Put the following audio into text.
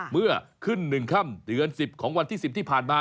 เมื่อขึ้น๑ค่ำเดือน๑๐ของวันที่๑๐ที่ผ่านมา